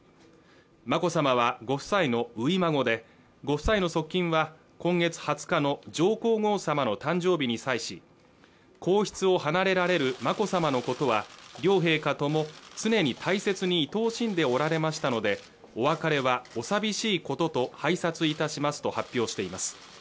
眞子さまはご夫妻の初孫でご夫妻の側近は今月２０日の上皇后さまの誕生日に際し皇室を離れられる眞子さまのことは両陛下とも常に大切に愛おしんでおられましたのでお別れはお寂しいことと拝察いたしますと発表しています